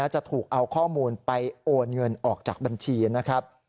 จะถูกเอาข้อมูลไปโอนเงินออกจากบัญชีนะครับ